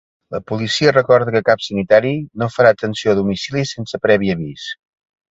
La policia recorda que cap sanitari no farà atenció a domicili sense previ avís.